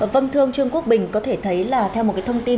vâng thưa ông trương quốc bình có thể thấy là theo một cái thông tin